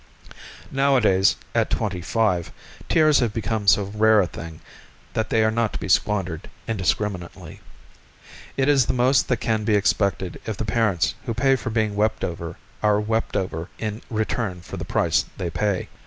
Nowadays, at twenty five, tears have become so rare a thing that they are not to be squandered indiscriminately. It is the most that can be expected if the parents who pay for being wept over are wept over in return for the price they pay.